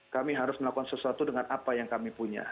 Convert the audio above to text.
kami harus melakukan sesuatu dengan apa yang kami punya